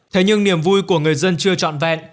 thế nhưng niềm vui của người dân chưa trọn vẹn